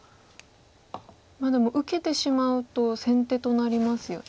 でも受けてしまうと先手となりますよね。